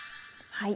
はい。